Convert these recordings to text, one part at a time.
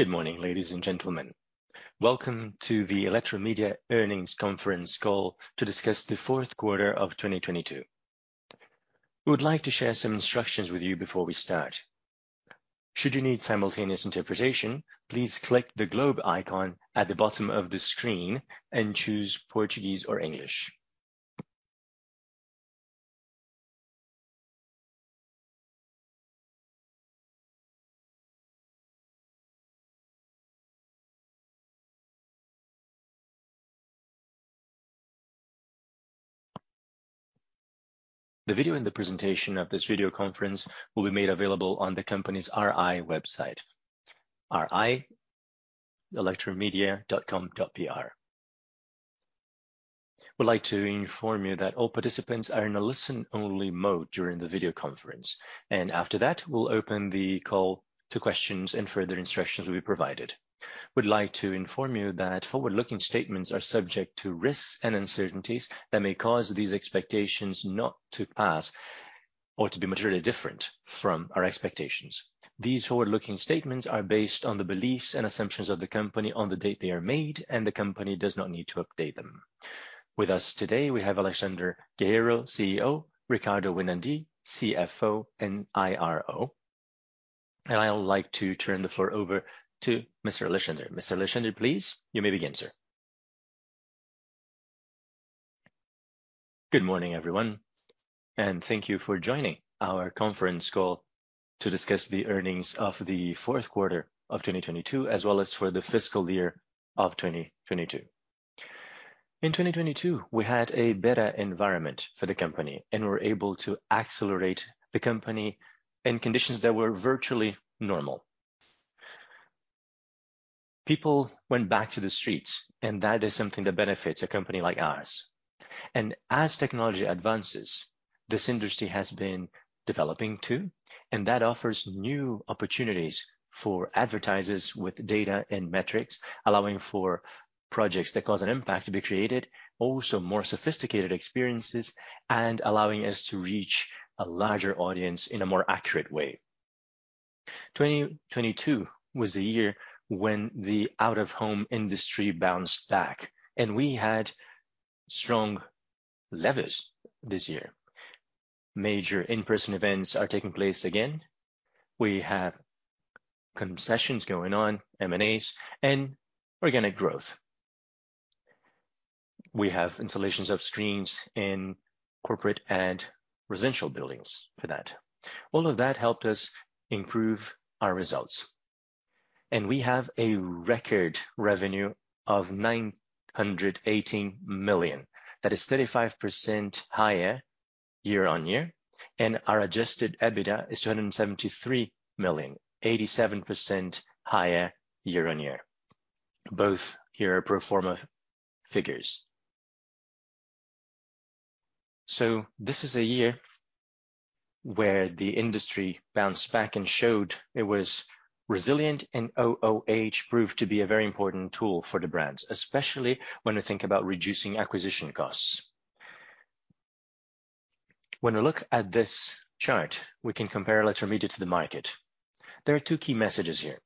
Good morning, ladies and gentlemen. Welcome to the Eletromidia earnings conference call to discuss the fourth quarter of 2022. We would like to share some instructions with you before we start. Should you need simultaneous interpretation, please click the globe icon at the bottom of the screen and choose Portuguese or English. The video and the presentation of this video conference will be made available on the company's RI website, ri.eletromidia.com.br. We'd like to inform you that all participants are in a listen-only mode during the video conference, and after that, we'll open the call to questions and further instructions will be provided. We'd like to inform you that forward-looking statements are subject to risks and uncertainties that may cause these expectations not to pass or to be materially different from our expectations. These forward-looking statements are based on the beliefs and assumptions of the company on the date they are made, and the company does not need to update them. With us today, we have Alexandre Guerrero, CEO, Ricardo Winandy, CFO and IRO. I'd like to turn the floor over to Mr. Alexandre. Mr. Alexandre, please, you may begin, sir. Good morning, everyone, and thank you for joining our conference call to discuss the earnings of the fourth quarter of 2022, as well as for the fiscal year of 2022. In 2022, we had a better environment for the company and were able to accelerate the company in conditions that were virtually normal. People went back to the streets, and that is something that benefits a company like ours. As technology advances, this industry has been developing too, and that offers new opportunities for advertisers with data and metrics, allowing for projects that cause an impact to be created, also more sophisticated experiences and allowing us to reach a larger audience in a more accurate way. 2022 was the year when the OOH industry bounced back and we had strong levers this year. Major in-person events are taking place again. We have concessions going on, M&As and organic growth. We have installations of screens in corporate and residential buildings for that. All of that helped us improve our results. We have a record revenue of 918 million. That is 35% higher year-on-year, and our adjusted EBITDA is 273 million, 87% higher year-on-year. Both here are pro forma figures. This is a year where the industry bounced back and showed it was resilient, and OOH proved to be a very important tool for the brands, especially when we think about reducing acquisition costs. When we look at this chart, we can compare Eletromidia to the market. There are two key messages here.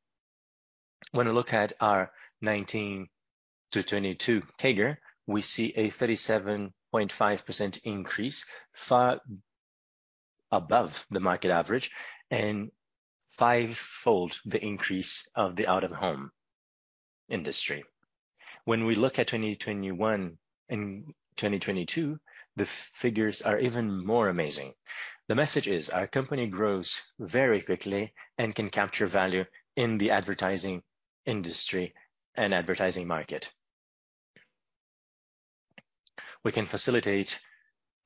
When we look at our 2019-2022 CAGR, we see a 37.5% increase, far above the market average and 5x the increase of the OOH industry. When we look at 2021 and 2022, the figures are even more amazing. The message is our company grows very quickly and can capture value in the advertising industry and advertising market. We can facilitate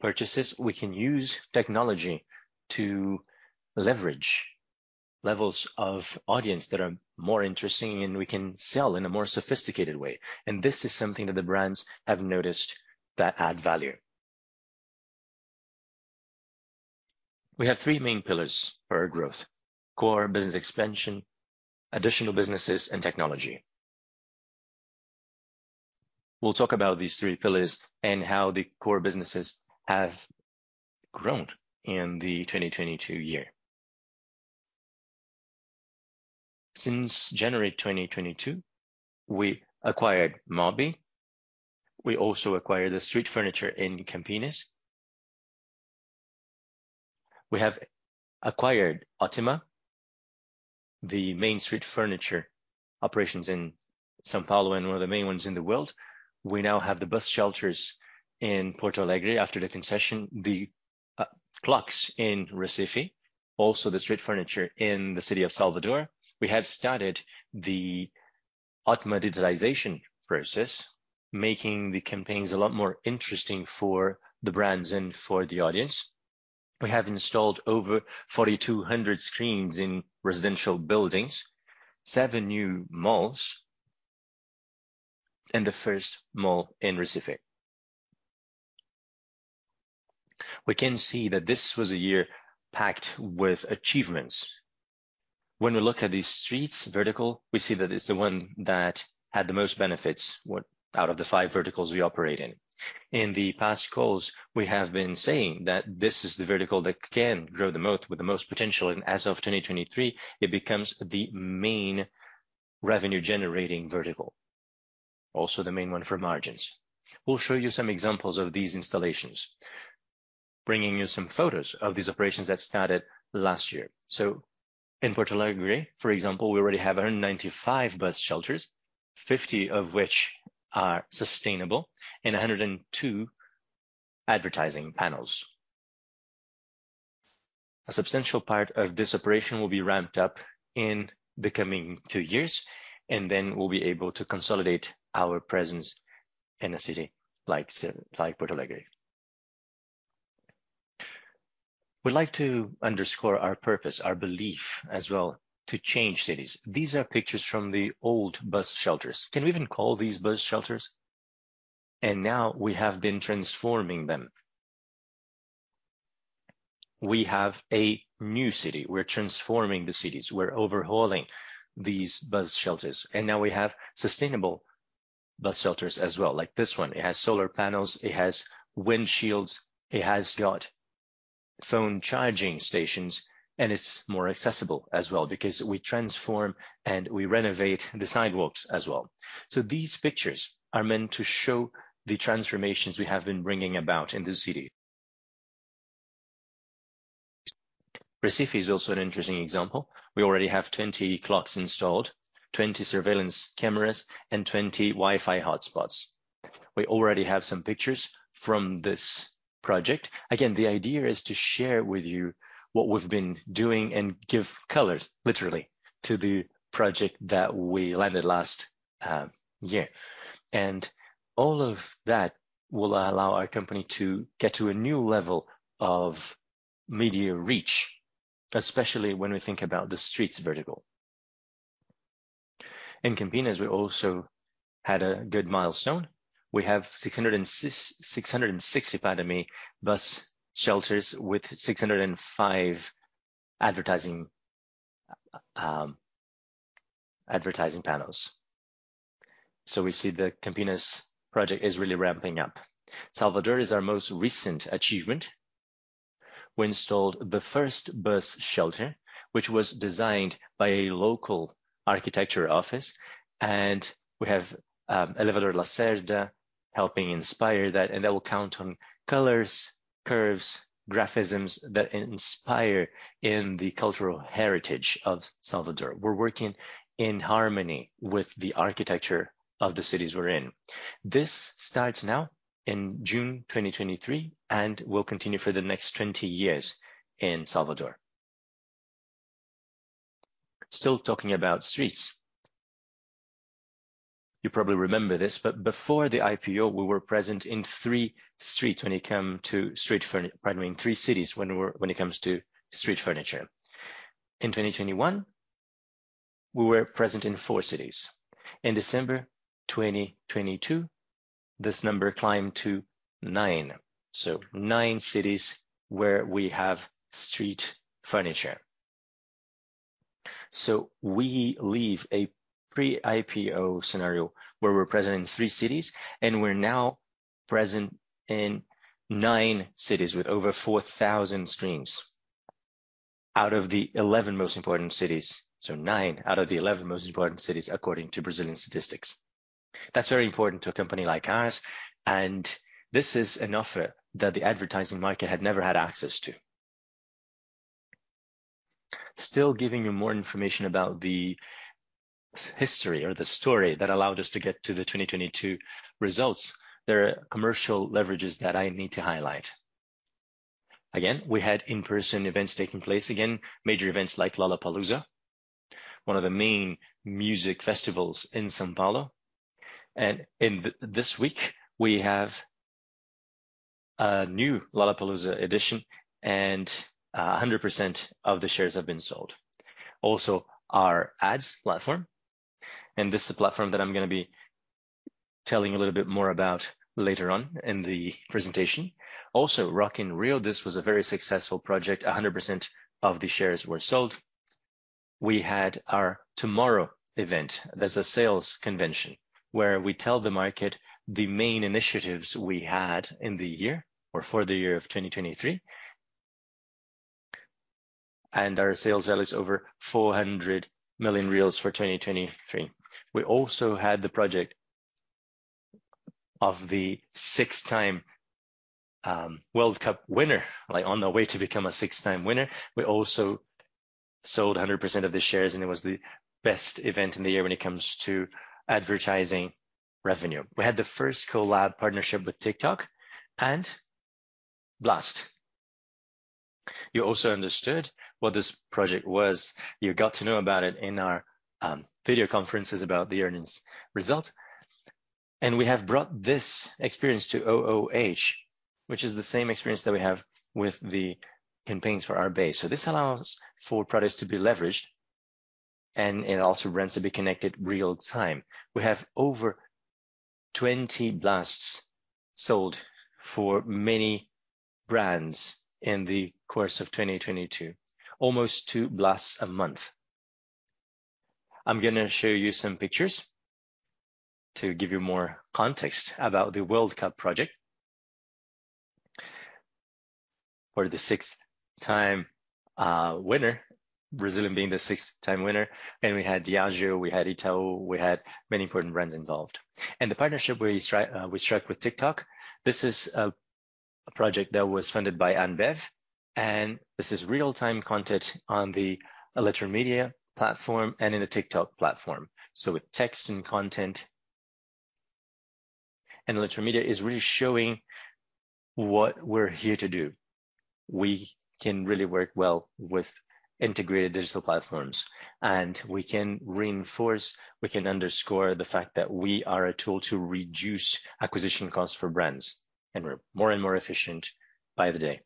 purchases, we can use technology to leverage levels of audience that are more interesting, and we can sell in a more sophisticated way. This is something that the brands have noticed that add value. We have three main pillars for our growth: core business expansion, additional businesses, and technology. We'll talk about these three pillars and how the core businesses have grown in the 2022 year. Since January 2022, we acquired MOOHB. We also acquired the street furniture in Campinas. We have acquired Otima, the main street furniture operations in São Paulo and one of the main ones in the world. We now have the bus shelters in Porto Alegre after the concession, the clocks in Recife, also the street furniture in the city of Salvador. We have started the Otima digitalization process, making the campaigns a lot more interesting for the brands and for the audience. We have installed over 4,200 screens in residential buildings, seven new malls, and the first mall in Recife. We can see that this was a year packed with achievements. When we look at the streets vertical, we see that it's the one that had the most benefits out of the five verticals we operate in. In the past calls, we have been saying that this is the vertical that can grow the most with the most potential, and as of 2023, it becomes the main revenue generating vertical. Also, the main one for margins. We'll show you some examples of these installations, bringing you some photos of these operations that started last year. In Porto Alegre, for example, we already have 195 bus shelters, 50 of which are sustainable, and 102 advertising panels. A substantial part of this operation will be ramped up in the coming two years, and then we'll be able to consolidate our presence in a city like Porto Alegre. We'd like to underscore our purpose, our belief as well to change cities. These are pictures from the old bus shelters. Can we even call these bus shelters? Now we have been transforming them. We have a new city. We're transforming the cities. We're overhauling these bus shelters. Now we have sustainable bus shelters as well, like this one. It has solar panels, it has windshields, it has got phone charging stations, and it's more accessible as well because we transform and we renovate the sidewalks as well. These pictures are meant to show the transformations we have been bringing about in the city. Recife is also an interesting example. We already have 20 clocks installed, 20 surveillance cameras, and 20 Wi-Fi hotspots. We already have some pictures from this project. Again, the idea is to share with you what we've been doing and give colors, literally, to the project that we landed last year. All of that will allow our company to get to a new level of media reach, especially when we think about the streets vertical. In Campinas, we also had a good milestone. We have 660, pardon me, bus shelters with 605 advertising panels. We see the Campinas project is really ramping up. Salvador is our most recent achievement. We installed the first bus shelter, which was designed by a local architecture office, and we have Elevador Lacerda helping inspire that. That will count on colors, curves, designs that inspire in the cultural heritage of Salvador. We're working in harmony with the architecture of the cities we're in. This starts now in June 2023, and will continue for the next 20 years in Salvador. Still talking about streets. You probably remember this, but before the IPO, we were present in three cities when it comes to street furniture. In 2021, we were present in four cities. In December 2022, this number climbed to nine. So, nine cities where we have street furniture. We leave a pre-IPO scenario where we're present in thee cities, and we're now present in nine cities with over 4,000 screens out of the 11 most important cities. Nine out of the 11 most important cities according to Brazilian statistics. That's very important to a company like ours, and this is an offer that the advertising market had never had access to. Still giving you more information about the history or the story that allowed us to get to the 2022 results. There are commercial leverages that I need to highlight. Again, we had in-person events taking place. Again, major events like Lollapalooza, one of the main music festivals in São Paulo. And in this week we have a new Lollapalooza edition and 100% of the shares have been sold. Also, our ads platform, and this is a platform that I'm gonna be telling you a little bit more about later on in the presentation. Also, Rock in Rio, this was a very successful project. 100% of the shares were sold. We had our TMRW event. That's a sales convention where we tell the market the main initiatives we had in the year or for the year of 2023. Our sales volume is over 400 million for 2023. We also had the project of the six-time World Cup winner, like on their way to become a six-time winner. We also sold 100% of the shares, it was the best event in the year when it comes to advertising revenue. We had the first collab partnership with TikTok and Blast. You also understood what this project was. You got to know about it in our video conferences about the earnings result. We have brought this experience to OOH, which is the same experience that we have with the campaigns for our base. This allows for products to be leveraged, and it also lends itself to be connected real-time. We have over 20 Blasts sold for many brands in the course of 2022, almost two Blasts a month. I'm gonna show you some pictures to give you more context about the World Cup project. Or the six-time winner, Brazilian being the six-time winner, and we had Diageo, we had Itaú, we had many important brands involved. The partnership we struck with TikTok, this is a project that was funded by Ambev, and this is real-time content on the Eletromidia platform and in the TikTok platform, so with text and content. Eletromidia is really showing what we're here to do. We can really work well with integrated digital platforms, and we can reinforce, we can underscore the fact that we are a tool to reduce acquisition costs for brands, and we're more and more efficient by the day.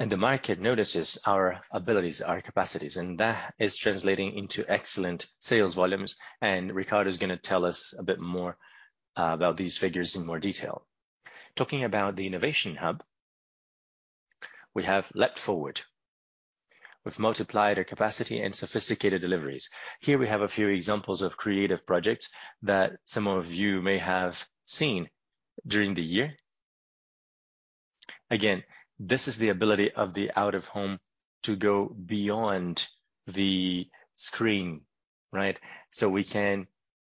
The market notices our abilities, our capacities, and that is translating into excellent sales volumes, and Ricardo's gonna tell us a bit more about these figures in more detail. Talking about the innovation hub, we have leapt forward. We've multiplied our capacity and sophisticated deliveries. Here we have a few examples of creative projects that some of you may have seen during the year. Again, this is the ability of the OOH to go beyond the screen, right? We can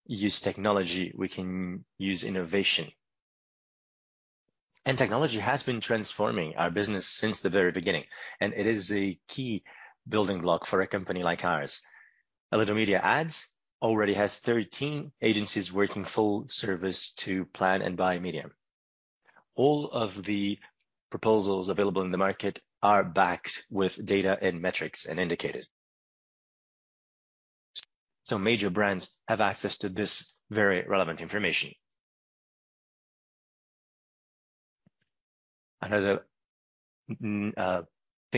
use technology, we can use innovation. Technology has been transforming our business since the very beginning, and it is a key building block for a company like ours. Eletromidia Ads already has 13 agencies working full service to plan and buy media. All of the proposals available in the market are backed with data and metrics and indicators. Major brands have access to this very relevant information. Another thing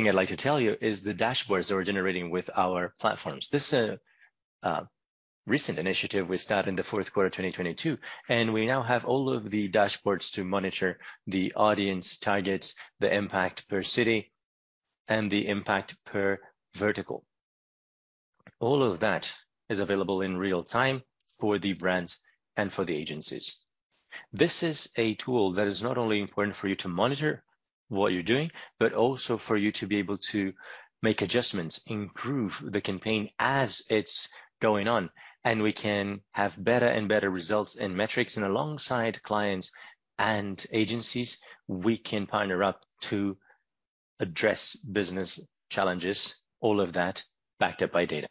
I'd like to tell you is the dashboards that we're generating with our platforms. This recent initiative we start in the fourth quarter of 2022, and we now have all of the dashboards to monitor the audience targets, the impact per city, and the impact per vertical. All of that is available in real time for the brands and for the agencies. This is a tool that is not only important for you to monitor what you're doing, but also for you to be able to make adjustments, improve the campaign as it's going on, we can have better and better results and metrics. Alongside clients and agencies, we can partner up to address business challenges, all of that backed up by data.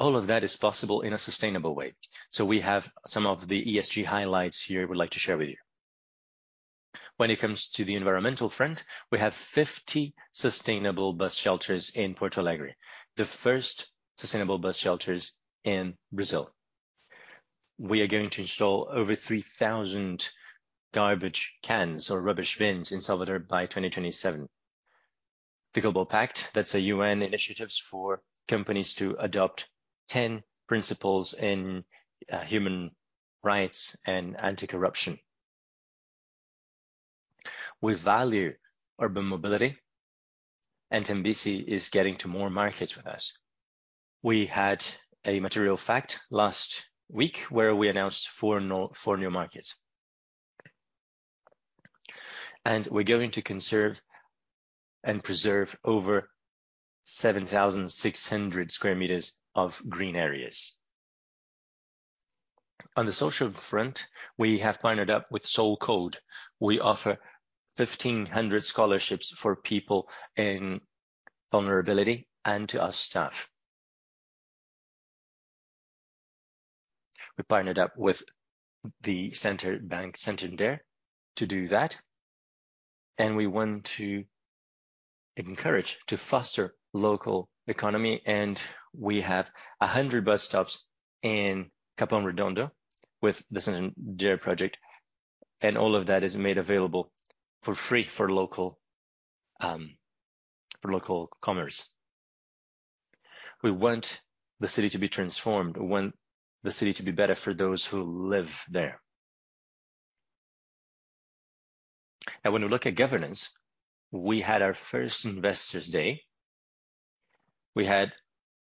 All of that is possible in a sustainable way. We have some of the ESG highlights here we'd like to share with you. When it comes to the environmental front, we have 50 sustainable bus shelters in Porto Alegre, the first sustainable bus shelters in Brazil. We are going to install over 3,000 garbage cans or rubbish bins in Salvador by 2027. The UN Global Compact, that's a UN initiatives for companies to adopt 10 principles in human rights and anti-corruption. We value urban mobility, and Tembici is getting to more markets with us. We had a Material Fact last week where we announced four new markets. We're going to conserve and preserve over 7,600sq meters of green areas. On the social front, we have partnered up with SoulCode. We offer 1,500 scholarships for people in vulnerability and to our staff. We partnered up with the bank Santander to do that, and we want to encourage to foster local economy, and we have 100 bus stops in Capão Redondo with the Santander project, and all of that is made available for free for local for local commerce. We want the city to be transformed. We want the city to be better for those who live there. When we look at governance, we had our first investors day. We had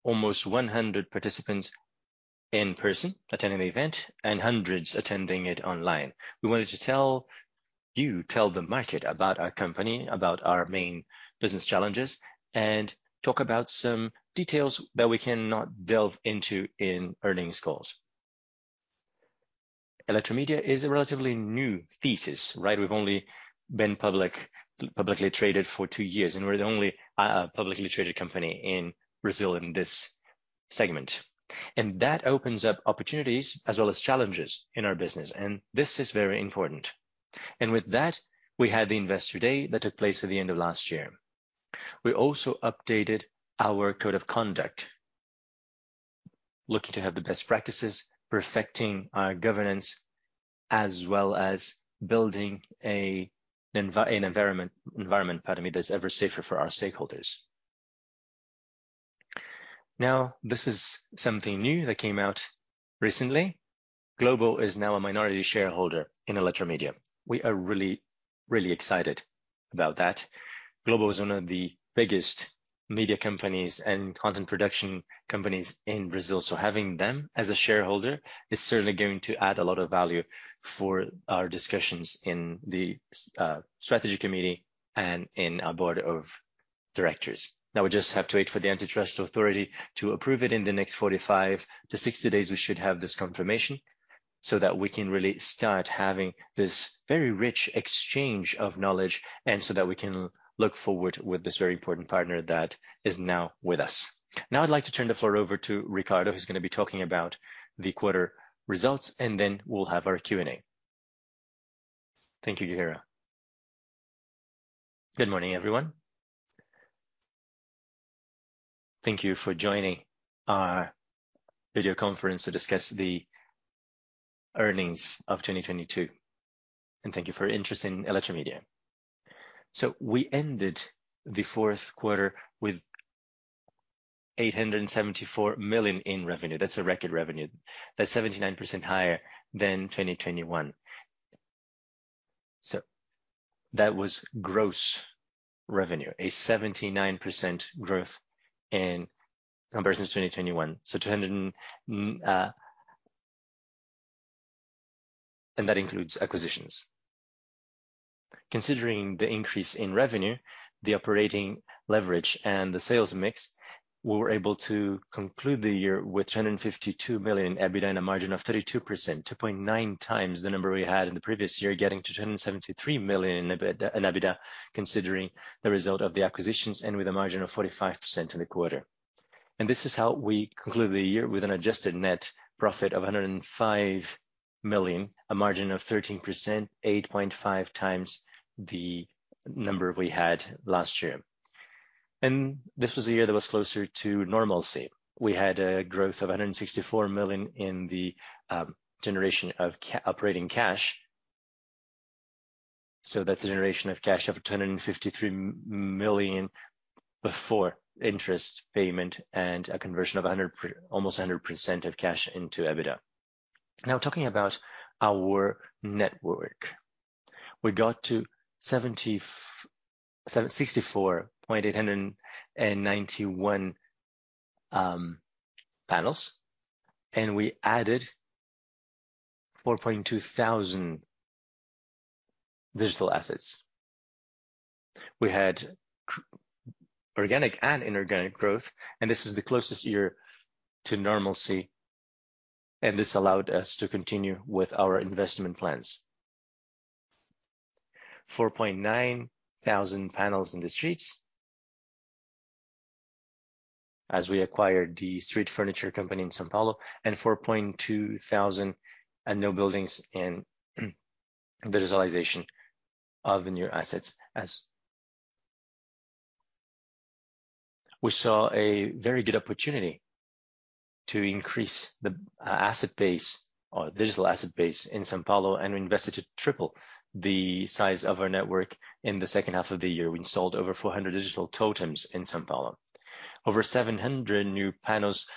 almost 100 participants in person attending the event and hundreds attending it online. We wanted to tell the market about our company, about our main business challenges, and talk about some details that we cannot delve into in earnings calls. Eletromidia is a relatively new thesis, right? We've only been publicly traded for two years, and we're the only publicly traded company in Brazil in this segment. That opens up opportunities as well as challenges in our business, and this is very important. With that, we had the investor day that took place at the end of last year. We also updated our code of conduct, looking to have the best practices, perfecting our governance, as well as building an environment, pardon me, that's ever safer for our stakeholders. This is something new that came out recently. Globo is now a minority shareholder in Eletromidia. We are really excited about that. Globo is one of the biggest media companies and content production companies in Brazil, so having them as a shareholder is certainly going to add a lot of value for our discussions in the Strategy Committee and in our Board of Directors. We just have to wait for the antitrust authority to approve it in the next 45 to 60 days, we should have this confirmation so that we can really start having this very rich exchange of knowledge, and so that we can look forward with this very important partner that is now with us. I'd like to turn the floor over to Ricardo, who's gonna be talking about the quarter results, and then we'll have our Q&A. Thank you, Guerrero. Good morning, everyone. Thank you for joining our video conference to discuss the earnings of 2022. Thank you for your interest in Eletromidia. We ended the fourth quarter with 874 million in revenue. That's a record revenue. That's 79% higher than 2021. That was gross revenue, a 79% growth in comparison to 2021. That includes acquisitions. Considering the increase in revenue, the operating leverage and the sales mix, we were able to conclude the year with 252 million EBITDA and a margin of 32%, 2.9x the number we had in the previous year, getting to 273 million in EBITDA, considering the result of the acquisitions and with a margin of 45% in the quarter. This is how we conclude the year with an adjusted net profit of 105 million, a margin of 13%, 8.5x the number we had last year. This was a year that was closer to normalcy. We had a growth of 164 million in the generation of operating cash. That's a generation of cash of 253 million before interest payment and a conversion of almost 100% of cash into EBITDA. Talking about our network. We got to 64,891 panels, and we added 4,200 digital assets. We had organic and inorganic growth, and this is the closest year to normalcy, and this allowed us to continue with our investment plans. 4,900 panels in the streets as we acquired the street furniture company in São Paulo, and 4,200 and no buildings in digitalization of the new assets. We saw a very good opportunity to increase the asset base or digital asset base in São Paulo, and we invested to triple the size of our network in the second half of the year. We installed over 400 digital totems in São Paulo. Over 700 new panels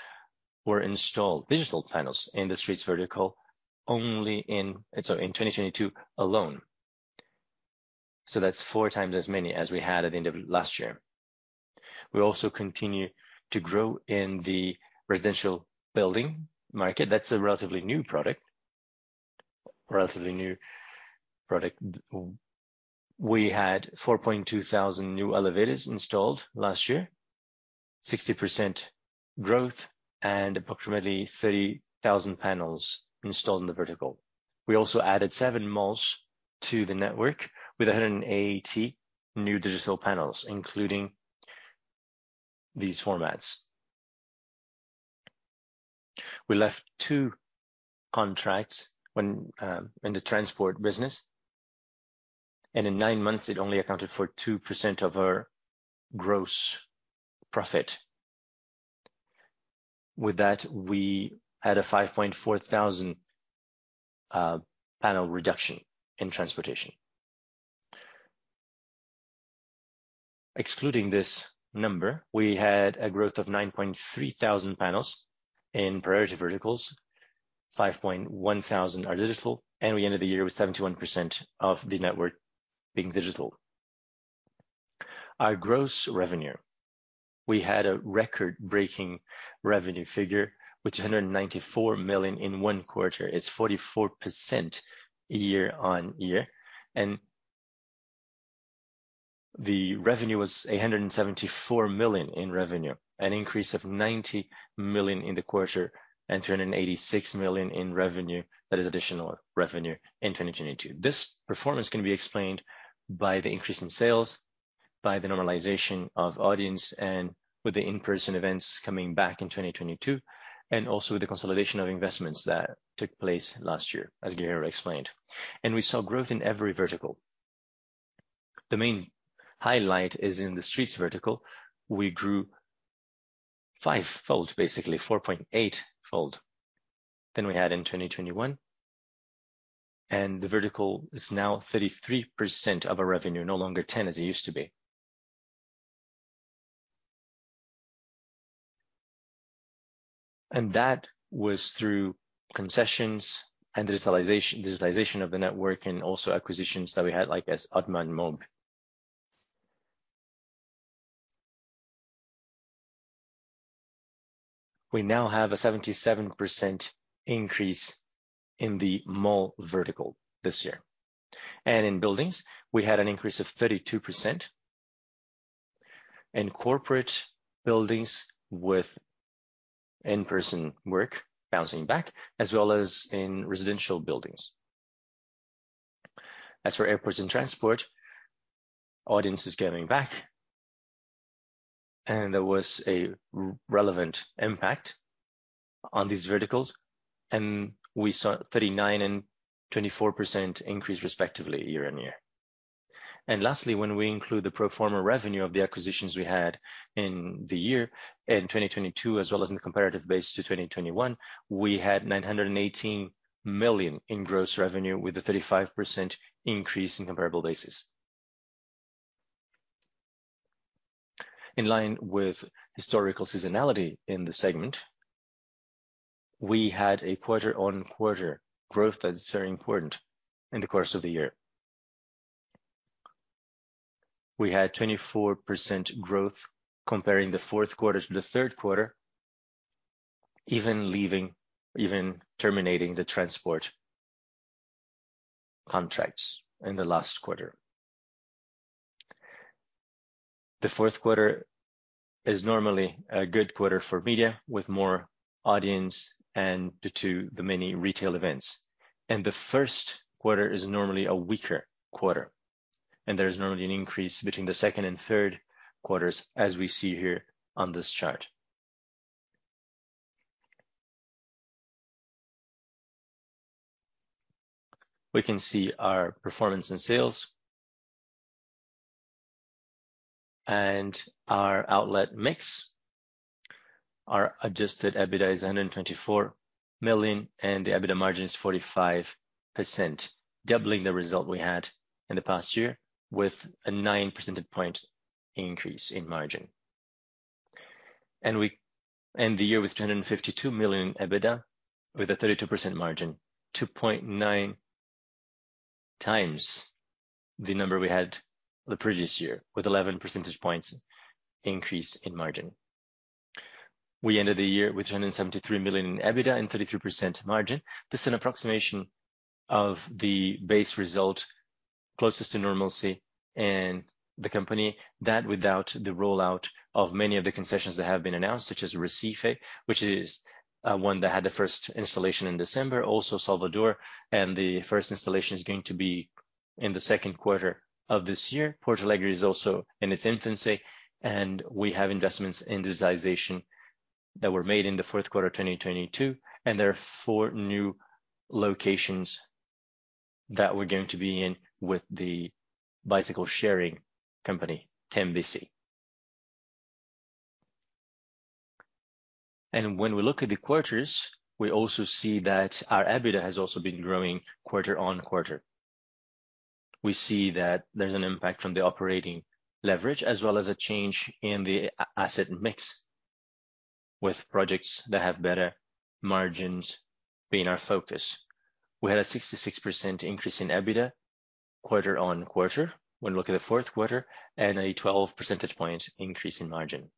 were installed, digital panels in the streets vertical only in 2022 alone. That's four times as many as we had at the end of last year. We also continue to grow in the residential building market. That's a relatively new product. We had 4,200 new elevators installed last year, 60% growth, and approximately 30,000 panels installed in the vertical. We also added seven malls to the network with 180 new digital panels, including these formats. We left two contracts when in the transport business, and in nine months, it only accounted for 2% of our gross profit. With that, we had a 5,400 panel reduction in transportation. Excluding this number, we had a growth of 9,300 panels in priority verticals, 5,100 are digital, and we ended the year with 71% of the network being digital. Our gross revenue. We had a record-breaking revenue figure with 294 million in one quarter. It's 44% year-over-year, and the revenue was 874 million in revenue, an increase of 90 million in the quarter and 386 million in revenue, that is additional revenue in 2022. This performance can be explained by the increase in sales, by the normalization of audience, and with the in-person events coming back in 2022, and also with the consolidation of investments that took place last year, as Guerrero explained. We saw growth in every vertical. The main highlight is in the streets vertical. We grew 5x, basically 4.8x than we had in 2021, and the vertical is now 33% of our revenue, no longer 10 as it used to be. That was through concessions and digitalization of the network and also acquisitions that we had like as Otima and MOOHB. We now have a 77% increase in the mall vertical this year. In buildings, we had an increase of 32%. In corporate buildings with in-person work bouncing back, as well as in residential buildings. As for airports and transport, audience is coming back, and there was a relevant impact on these verticals, and we saw 39% and 24% increase respectively year-on-year. Lastly, when we include the pro forma revenue of the acquisitions we had in the year, in 2022 as well as in the comparative base to 2021, we had 918 million in gross revenue with a 35% increase in comparable basis. In line with historical seasonality in the segment, we had a quarter-on-quarter growth that is very important in the course of the year. We had 24% growth comparing the fourth quarter to the third quarter, even terminating the transport contracts in the last quarter. The fourth quarter is normally a good quarter for media, with more audience and due to the many retail events. The first quarter is normally a weaker quarter, and there is normally an increase between the second and third quarter as we see here on this chart. We can see our performance in sales and our outlet mix. Our adjusted EBITDA is 124 million, and the EBITDA margin is 45%, doubling the result we had in the past year with a 9 percentage point increase in margin. We end the year with 252 million EBITDA with a 32% margin, 2.9x the number we had the previous year, with 11 percentage points increase in margin. We ended the year with 273 million in EBITDA and 33% margin. This is an approximation of the base result closest to normalcy in the company. That without the rollout of many of the concessions that have been announced, such as Recife, which is one that had the first installation in December. Salvador, and the first installation is going to be in the second quarter of this year. Porto Alegre is also in its infancy, and we have investments in digitization that were made in Q4 2022, and there are four new locations that we're going to be in with the bicycle-sharing company, Tembici. When we look at the quarters, we also see that our EBITDA has also been growing quarter-on-quarter. We see that there's an impact from the operating leverage as well as a change in the asset mix, with projects that have better margins being our focus. We had a 66% increase in EBITDA quarter-on-quarter, when you look at the fourth quarter, and a 12 percentage point increase in margin.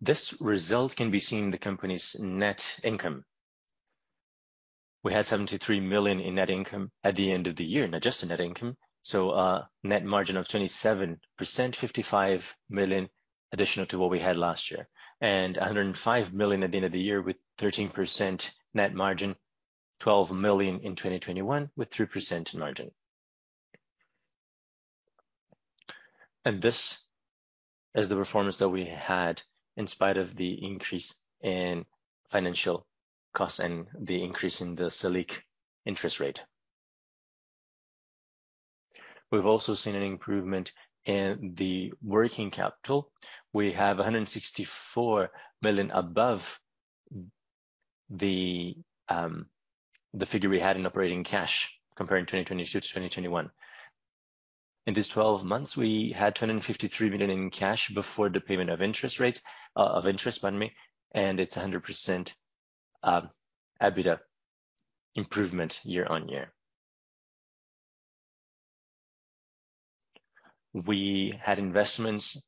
This result can be seen in the company's net income. We had 73 million in net income at the end of the year, in adjusted net income, so a net margin of 27%, 55 million additional to what we had last year. A 105 million at the end of the year with 13% net margin, 12 million in 2021 with 3% in margin. This is the performance that we had in spite of the increase in financial costs and the increase in the Selic interest rate. We've also seen an improvement in the working capital. We have 164 million above the figure we had in operating cash comparing 2022 to 2021. In these 12 months, we had 253 million in cash before the payment of interest, pardon me, and it's a 100% EBITDA improvement year-over-year. We had investments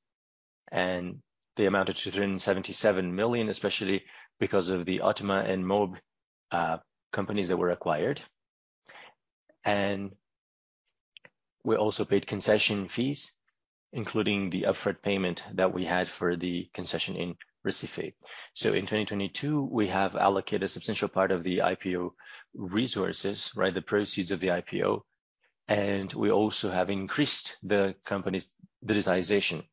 in the amount of 277 million, especially because of the Otima and MOOHB were companies that were acquired. We also paid concession fees, including the upfront payment that we had for the concession in Recife. In 2022, we have allocated a substantial part of the IPO resources, right, the proceeds of the IPO, and we also have increased the company's digitization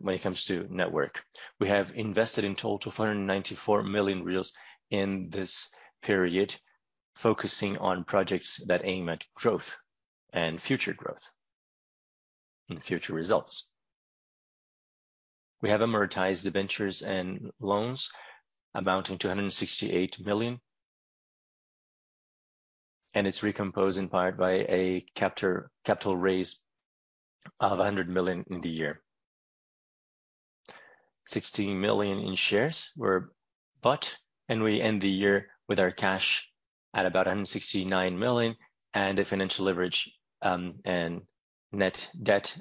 when it comes to network. We have invested in total 494 million reais in this period, focusing on projects that aim at growth and future growth and future results. We have amortized the ventures and loans amounting to 168 million. It's recomposed in part by a capital raise of 100 million in the year. 16 million shares were bought, and we end the year with our cash at about 169 million, and a financial leverage and net debt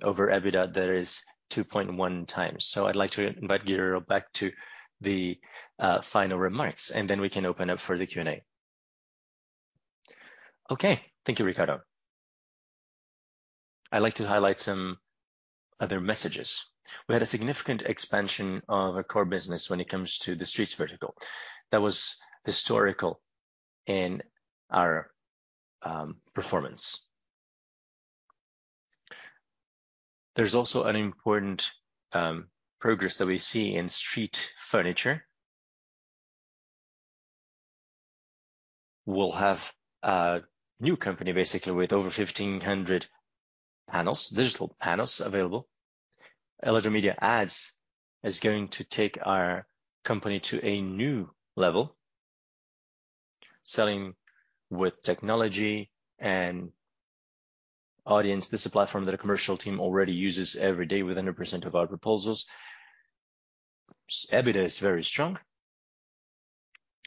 over EBITDA that is 2.1x. I'd like to invite Guerrero back to the final remarks, and then we can open up for the Q&A. Okay. Thank you, Ricardo. I'd like to highlight some other messages. We had a significant expansion of our core business when it comes to the streets vertical that was historical in our performance. There's also an important progress that we see in street furniture. We'll have a new company basically with over 1,500 panels, digital panels available. Eletromidia Ads is going to take our company to a new level, selling with technology and audience. This is a platform that our commercial team already uses every day with 100% of our proposals. EBITDA is very strong.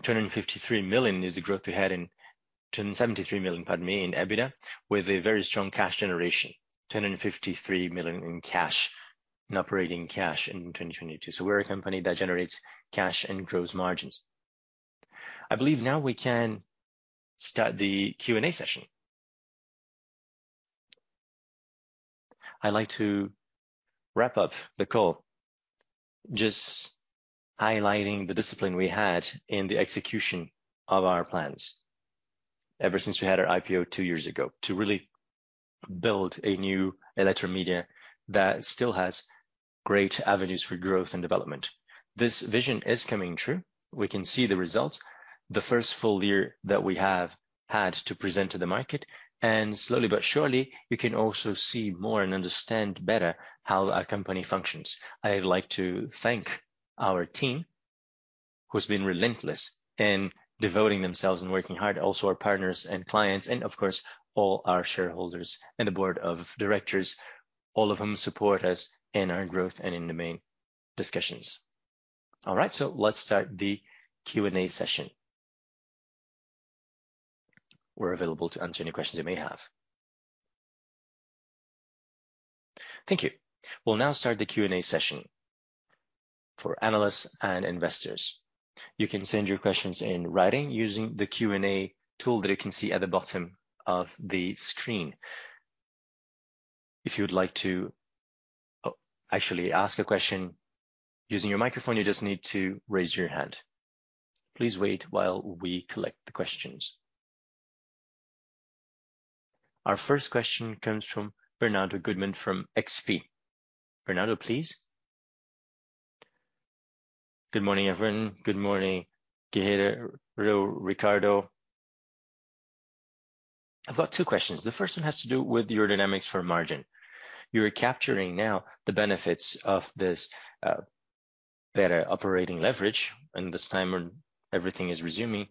273 million, pardon me, in EBITDA, with a very strong cash generation. 153 million in cash, in operating cash in 2022. We're a company that generates cash and grows margins. I believe now we can start the Q&A session. I'd like to wrap up the call, just highlighting the discipline we had in the execution of our plans ever since we had our IPO two years ago, to really build a new Eletromidia that still has great avenues for growth and development. This vision is coming true. We can see the results. The first full year that we have had to present to the market, and slowly but surely, you can also see more and understand better how our company functions. I'd like to thank our team who's been relentless in devoting themselves and working hard, also our partners and clients and of course all our shareholders and the Board of Directors, all of them support us in our growth and in the main discussions. All right, let's start the Q&A session. We're available to answer any questions you may have. Thank you. We'll now start the Q&A session for analysts and investors. You can send your questions in writing using the Q&A tool that you can see at the bottom of the screen. If you would like to actually ask a question using your microphone, you just need to raise your hand. Please wait while we collect the questions. Our first question comes from Bernardo Guttmann from XP. Bernardo, please. Good morning, everyone. Good morning, Guerrero, Ricardo. I've got two questions. The first one has to do with your dynamics for margin. You're capturing now the benefits of this better operating leverage in this time when everything is resuming,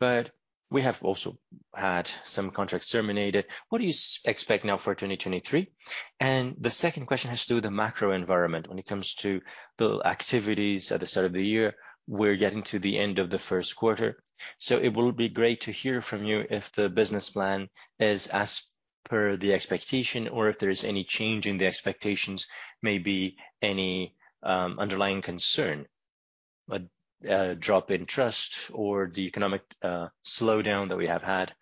but we have also had some contracts terminated. What do you expect now for 2023? The second question has to do with the macro environment when it comes to the activities at the start of the year. We're getting to the end of the first quarter, so it will be great to hear from you if the business plan is as per the expectation or if there's any change in the expectations, maybe any underlying concern, a drop in trust or the economic slowdown that we have had.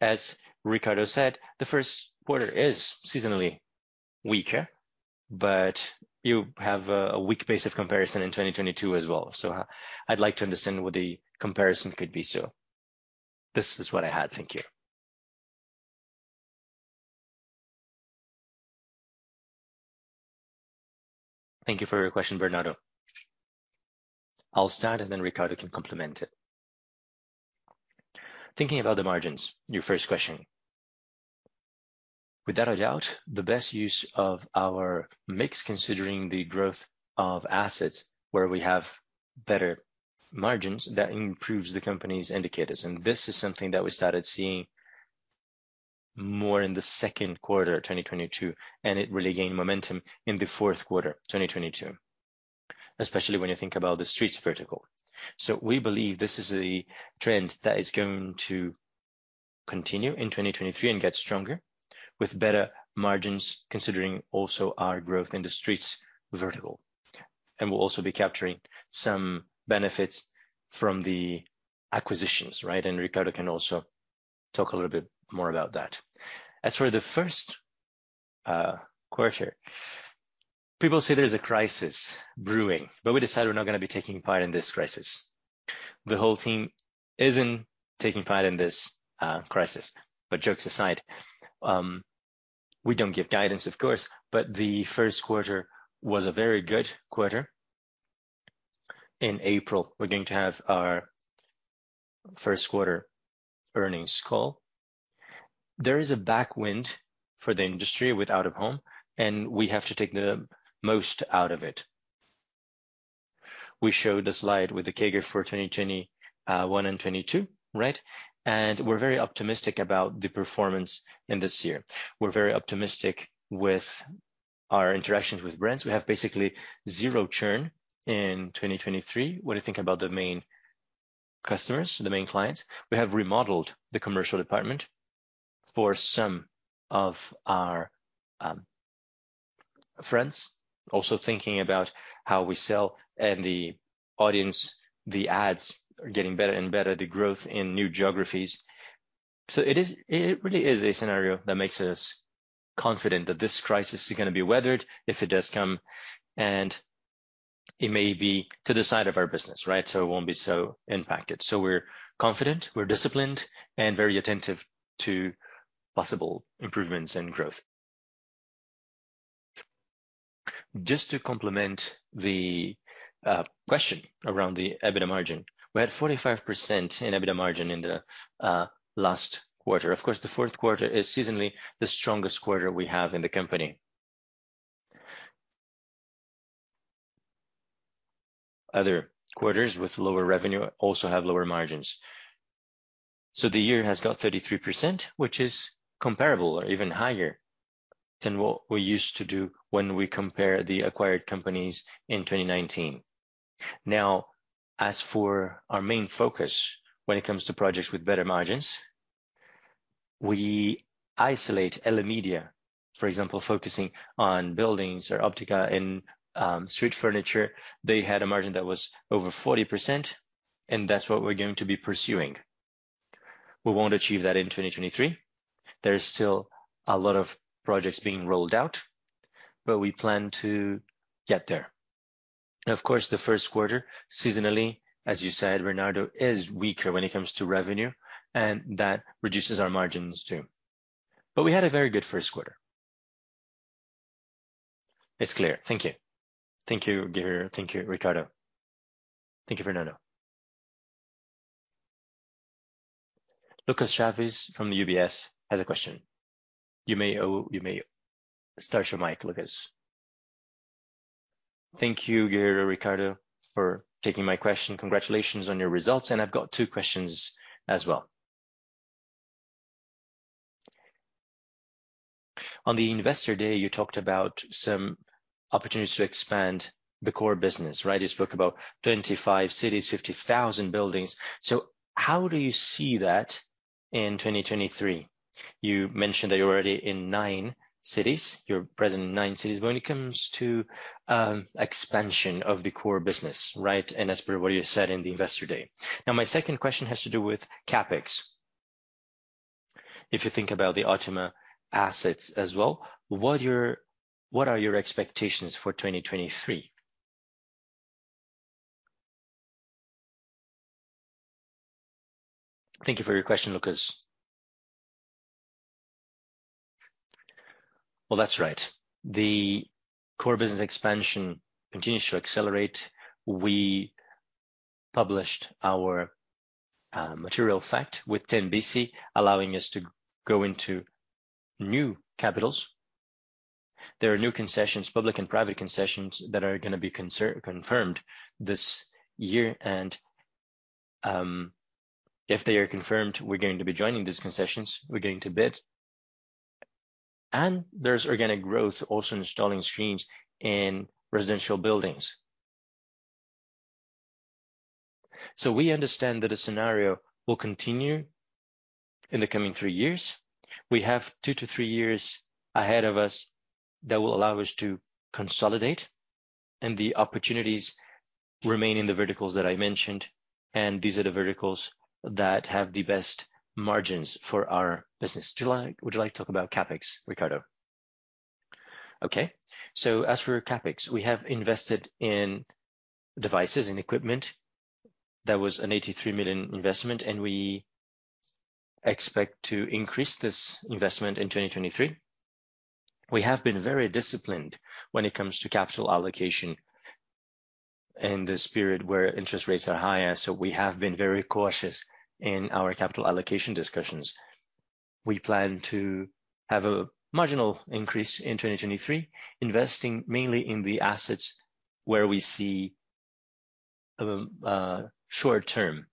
As Ricardo said, the first quarter is seasonally weaker, but you have a weak base of comparison in 2022 as well. I'd like to understand what the comparison could be. This is what I had. Thank you. Thank you for your question, Bernardo. I'll start, and then Ricardo can complement it. Thinking about the margins, your first question. Without a doubt, the best use of our mix, considering the growth of assets where we have better margins, that improves the company's indicators. This is something that we started seeing more in the second quarter of 2022, and it really gained momentum in the fourth quarter of 2022, especially when you think about the streets vertical. We believe this is a trend that is going to continue in 2023 and get stronger with better margins, considering also our growth in the streets vertical. We'll also be capturing some benefits from the acquisitions, right? Ricardo can also talk a little bit more about that. As for the first quarter, people say there's a crisis brewing, but we decided we're not gonna be taking part in this crisis. The whole team isn't taking part in this crisis. Jokes aside, we don't give guidance, of course, but the first quarter was a very good quarter. In April, we're going to have our first quarter earnings call. There is a back wind for the industry with OOH, and we have to take the most out of it. We showed a slide with the CAGR for 2021 and 2022, right? We're very optimistic about the performance in this year. We're very optimistic with our interactions with brands. We have basically zero churn in 2023. When you think about the main customers, the main clients, we have remodeled the commercial department for some of our friends. Also thinking about how we sell and the audience, the ads are getting better and better, the growth in new geographies. It is, it really is a scenario that makes us confident that this crisis is gonna be weathered if it does come, and it may be to the side of our business, right? It won't be so impacted. We're confident, we're disciplined, and very attentive to possible improvements and growth. Just to complement the question around the EBITDA margin. We had 45% in EBITDA margin in the last quarter. Of course, the fourth quarter is seasonally the strongest quarter we have in the company. Other quarters with lower revenue also have lower margins. The year has got 33%, which is comparable or even higher than what we used to do when we compare the acquired companies in 2019. As for our main focus when it comes to projects with better margins, we isolate Eletromidia, for example, focusing on buildings or Otima in street furniture. They had a margin that was over 40%, that's what we're going to be pursuing. We won't achieve that in 2023. There's still a lot of projects being rolled out, we plan to get there. Of course, the first quarter, seasonally, as you said, Bernardo, is weaker when it comes to revenue, that reduces our margins too. We had a very good first quarter. It's clear. Thank you. Thank you, Guerrero. Thank you, Ricardo. Thank you, Bernardo. Lucas Chaves from UBS has a question. You may start your mic, Lucas. Thank you, Guerrero, Ricardo, for taking my question. Congratulations on your results, I've got two questions as well. On the Investor Day, you talked about some opportunities to expand the core business, right? You spoke about 25 cities, 50,000 buildings. How do you see that in 2023? You mentioned that you're already in nine cities. You're present in nine cities. When it comes to expansion of the core business, right? As per what you said in the Investor Day. My second question has to do with CapEx. If you think about the Otima assets as well, what are your expectations for 2023? Thank you for your question, Lucas. Well, that's right. The core business expansion continues to accelerate. We published our Material Fact with Tembici, allowing us to go into new capitals. There are new concessions, public and private concessions, that are gonna be confirmed this year. If they are confirmed, we're going to be joining these concessions. We're going to bid. There's organic growth also installing screens in residential buildings. We understand that the scenario will continue in the coming three years. We have two to three years ahead of us that will allow us to consolidate, the opportunities remain in the verticals that I mentioned, these are the verticals that have the best margins for our business. Would you like to talk about CapEx, Ricardo? Okay. As for CapEx, we have invested in devices and equipment. That was a 83 million investment, we expect to increase this investment in 2023. We have been very disciplined when it comes to capital allocation in this period where interest rates are higher. We have been very cautious in our capital allocation discussions. We plan to have a marginal increase in 2023, investing mainly in the assets where we see a short-term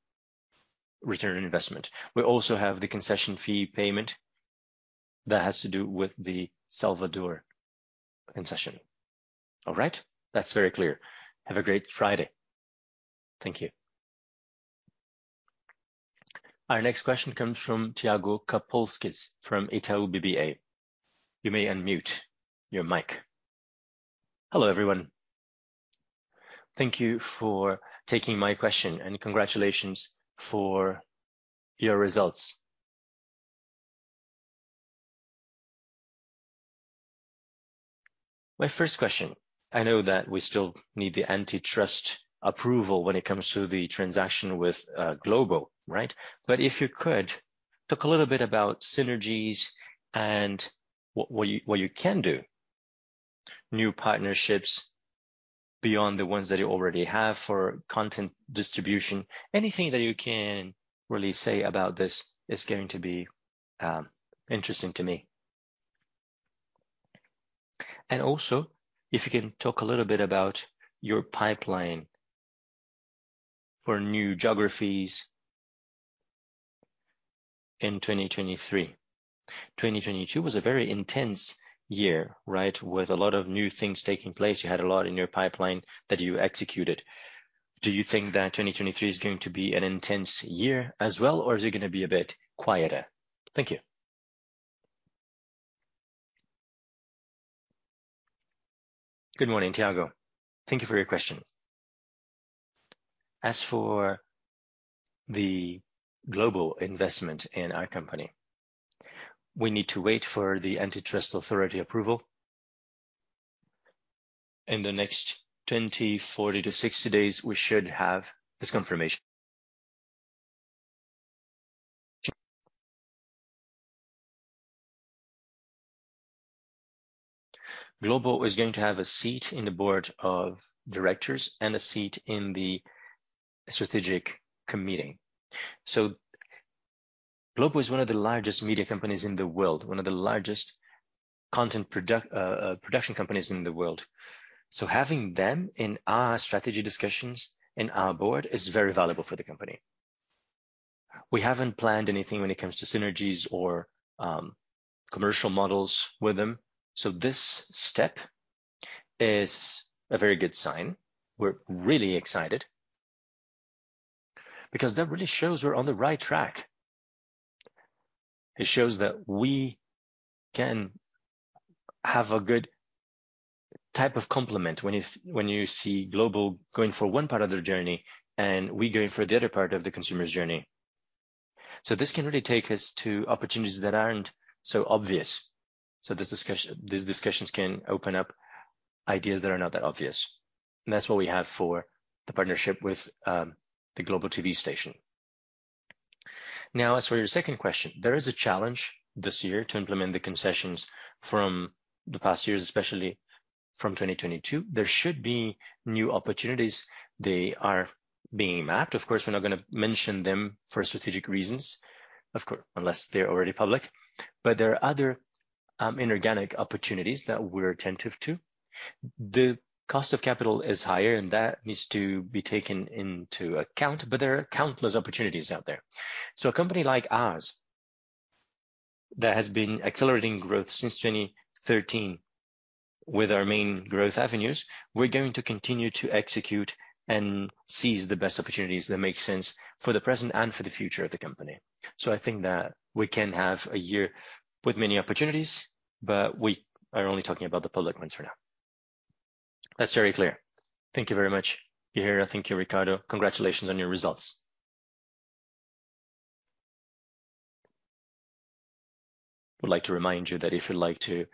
return on investment. We also have the concession fee payment that has to do with the Salvador concession. All right. That's very clear. Have a great Friday. Thank you. Our next question comes from Thiago Kapulskis from Itaú BBA. You may unmute your mic. Hello, everyone. Thank you for taking my question, and congratulations for your results. My first question, I know that we still need the antitrust approval when it comes to the transaction with Globo, right? If you could, talk a little bit about synergies and what you can do. New partnerships beyond the ones that you already have for content distribution. Anything that you can really say about this is going to be interesting to me. Also if you can talk a little bit about your pipeline for new geographies in 2023. 2022 was a very intense year, right? With a lot of new things taking place. You had a lot in your pipeline that you executed. Do you think that 2023 is going to be an intense year as well, or is it gonna be a bit quieter? Thank you. Good morning, Thiago. Thank you for your question. As for the Globo investment in our company, we need to wait for the antitrust authority approval. In the next 20, 40 to 60 days, we should have this confirmation. Globo is going to have a seat in the Board of Directors and a seat in the Strategy Committee. Globo is one of the largest media companies in the world, one of the largest content production companies in the world. Having them in our strategy discussions in our board is very valuable for the company. We haven't planned anything when it comes to synergies or commercial models with them. This step is a very good sign. We're really excited because that really shows we're on the right track. It shows that we can have a good type of complement when you see Globo going for one part of their journey and we're going for the other part of the consumer's journey. This can really take us to opportunities that aren't so obvious. These discussions can open up ideas that are not that obvious, and that's what we have for the partnership with the Globo TV station. As for your second question, there is a challenge this year to implement the concessions from the past years, especially from 2022. There should be new opportunities. They are being mapped. Of course, we're not gonna mention them for strategic reasons, unless they're already public. There are other inorganic opportunities that we're attentive to. The cost of capital is higher, and that needs to be taken into account, but there are countless opportunities out there. A company like ours that has been accelerating growth since 2013 with our main growth avenues, we're going to continue to execute and seize the best opportunities that make sense for the present and for the future of the company. I think that we can have a year with many opportunities, but we are only talking about the public ones for now. That's very clear. Thank you very much, Guerrero. Thank you, Ricardo. Congratulations on your results. I would like to remind you that if you'd like to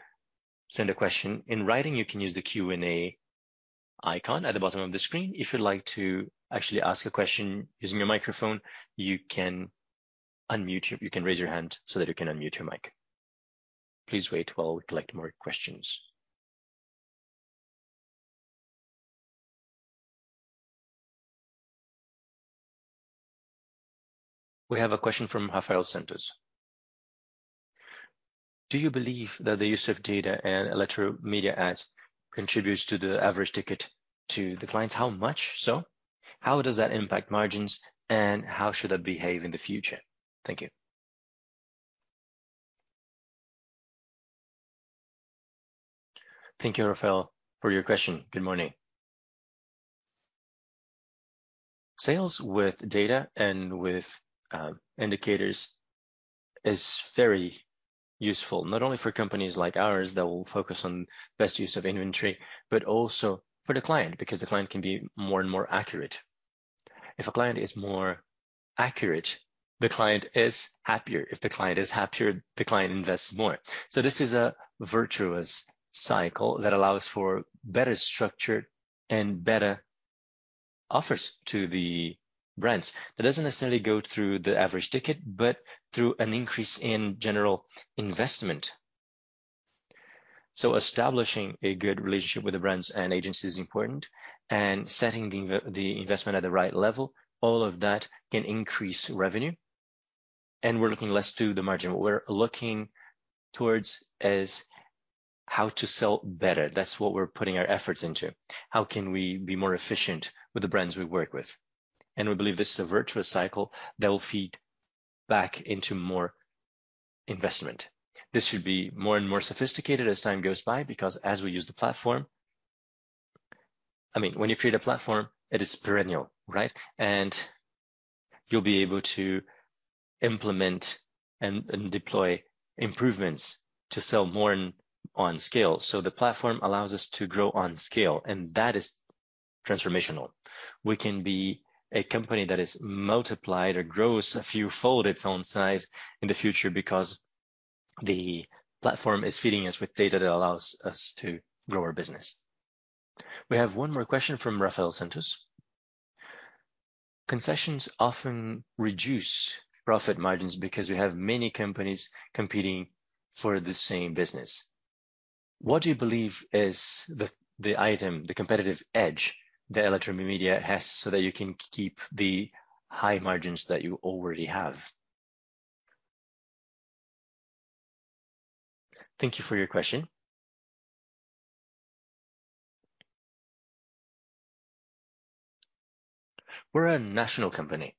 send a question in writing, you can use the Q&A icon at the bottom of the screen. If you'd like to actually ask a question using your microphone, you can raise your hand so that you can unmute your mic. Please wait while we collect more questions. We have a question from Rafael Santos. Do you believe that the use of data and Eletromidia Ads contributes to the average ticket to the clients? How much so? How does that impact margins, and how should that behave in the future? Thank you. Thank you, Rafael, for your question. Good morning. Sales with data and with indicators is very useful, not only for companies like ours that will focus on best use of inventory, but also for the client, because the client can be more and more accurate. If a client is more accurate, the client is happier. If the client is happier, the client invests more. This is a virtuous cycle that allows for better structured and better offers to the brands. That doesn't necessarily go through the average ticket, but through an increase in general investment. Establishing a good relationship with the brands and agencies is important, and setting the investment at the right level, all of that can increase revenue. And we're looking less to the margin. What we're looking towards is how to sell better. That's what we're putting our efforts into. How can we be more efficient with the brands we work with? We believe this is a virtuous cycle that will feed back into more investment. This should be more and more sophisticated as time goes by, because as we use the platform... I mean, when you create a platform, it is perennial, right? You'll be able to implement and deploy improvements to sell more on scale. The platform allows us to grow on scale, and that is transformational. We can be a company that is multiplied or grows a few fold its own size in the future because the platform is feeding us with data that allows us to grow our business. We have one more question from Rafael Santos. Concessions often reduce profit margins because we have many companies competing for the same business. What do you believe is the item, the competitive edge that Eletromidia has so that you can keep the high margins that you already have? Thank you for your question. We're a national company.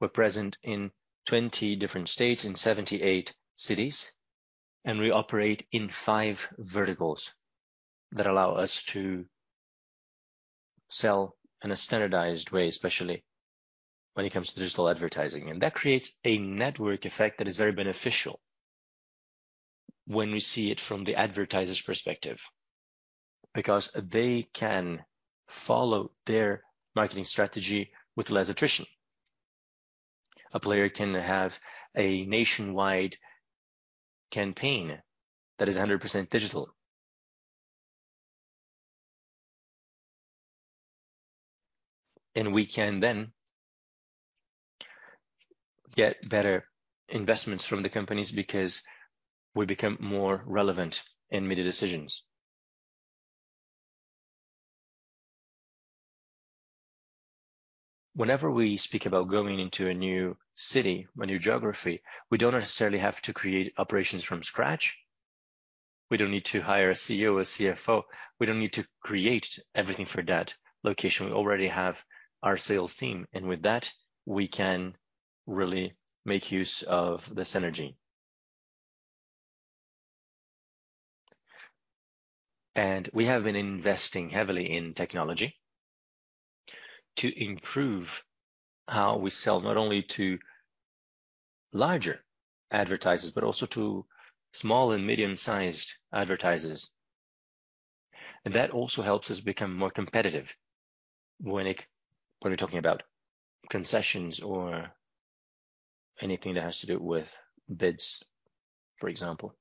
We're present in 20 different states, in 78 cities, and we operate in five verticals that allow us to sell in a standardized way, especially when it comes to digital advertising. That creates a network effect that is very beneficial when we see it from the advertiser's perspective, because they can follow their marketing strategy with less attrition. A player can have a nationwide campaign that is 100% digital. We can then get better investments from the companies because we become more relevant in media decisions. Whenever we speak about going into a new city, a new geography, we don't necessarily have to create operations from scratch. We don't need to hire a CEO, a CFO. We don't need to create everything for that location. With that, we can really make use of the synergy. We have been investing heavily in technology to improve how we sell not only to larger advertisers, but also to small and medium-sized advertisers. That also helps us become more competitive when we're talking about concessions or anything that has to do with bids, for example.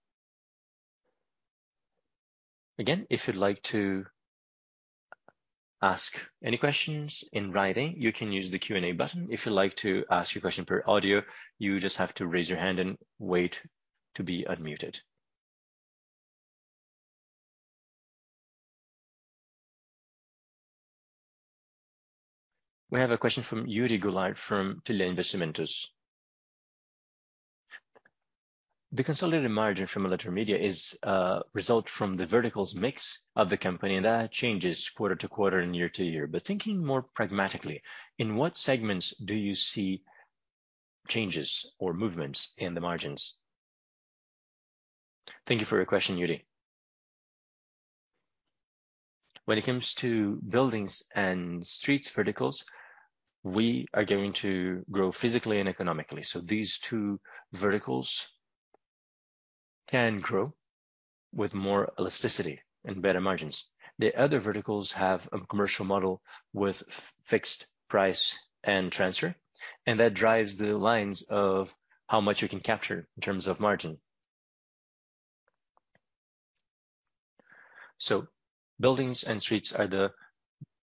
Again, if you'd like to ask any questions in writing, you can use the Q&A button. If you'd like to ask your question per audio, you just have to raise your hand and wait to be unmuted. We have a question from Hiury Goulart from Trilha Investimentos. The consolidated margin from Eletromidia is result from the verticals mix of the company, and that changes quarter to quarter and year to year. Thinking more pragmatically, in what segments do you see changes or movements in the margins? Thank you for your question, Hiury. When it comes to buildings and streets verticals, we are going to grow physically and economically. These two verticals can grow with more elasticity and better margins. The other verticals have a commercial model with fixed price and transfer, and that drives the lines of how much you can capture in terms of margin. Buildings and streets are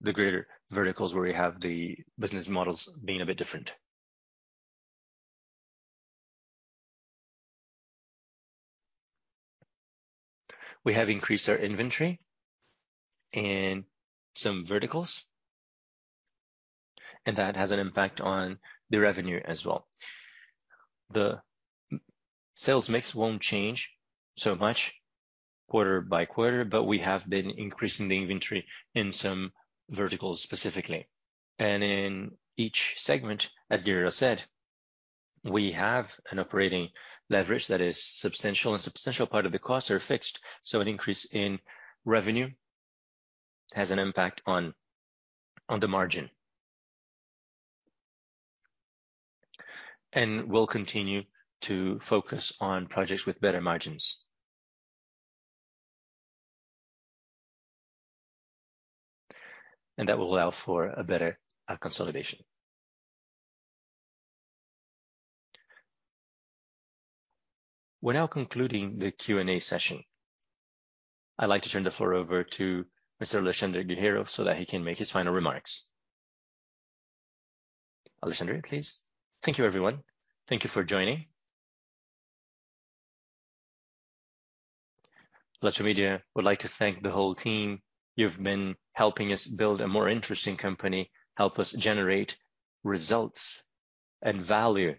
the greater verticals where we have the business models being a bit different. We have increased our inventory in some verticals, and that has an impact on the revenue as well. The sales mix won't change so much quarter by quarter. We have been increasing the inventory in some verticals specifically. In each segment, as Guerrero said, we have an operating leverage that is substantial, and a substantial part of the costs are fixed. An increase in revenue has an impact on the margin. We'll continue to focus on projects with better margins. That will allow for a better consolidation. We're now concluding the Q&A session. I'd like to turn the floor over to Mr. Alexandre Guerrero so that he can make his final remarks. Alexandre, please. Thank you, everyone. Thank you for joining. Eletromidia would like to thank the whole team. You've been helping us build a more interesting company, help us generate results and value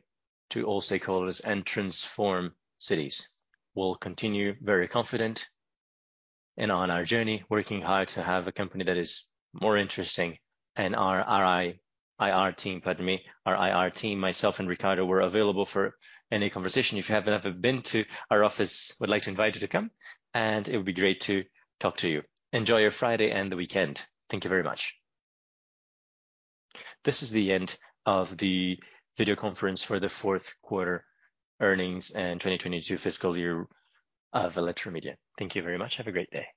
to all stakeholders and transform cities. We'll continue very confident and on our journey, working hard to have a company that is more interesting. Our RI... IR team, pardon me. Our IR team, myself and Ricardo, we're available for any conversation. If you haven't ever been to our office, we'd like to invite you to come, and it would be great to talk to you. Enjoy your Friday and the weekend. Thank you very much. This is the end of the video conference for the fourth quarter earnings and 2022 fiscal year of Eletromidia. Thank you very much. Have a great day.